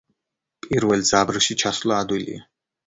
პირველ ძაბრში ჩასვლა ადვილია.